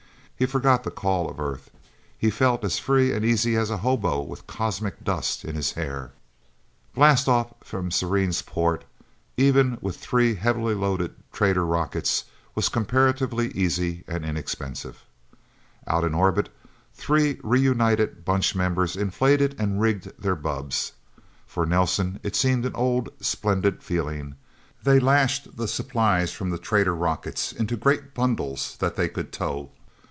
He forgot the call of Earth. He felt as free and easy as a hobo with cosmic dust in his hair. Blastoff from Serene's port, even with three heavily loaded trader rockets, was comparatively easy and inexpensive. Out in orbit, three reunited Bunch members inflated and rigged their bubbs. For Nelsen it seemed an old, splendid feeling. They lashed the supplies from the trader rockets into great bundles that they could tow.